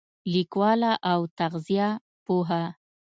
لیکواله او تغذیه پوهه